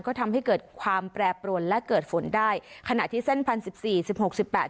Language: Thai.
ก็ทำให้เกิดความแปรปรวนและเกิดฝนได้ขณะที่เส้นพันสิบสี่สิบหกสิบแปด